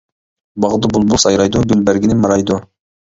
باغدا بۇلبۇل سايرايدۇ، گۈل بەرگىنى مارايدۇ.